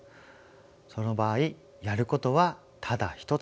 その場合やることはただ一つです。